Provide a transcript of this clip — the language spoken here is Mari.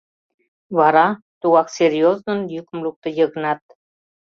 — Вара? — тугак серьёзнын йӱкым лукто Йыгнат.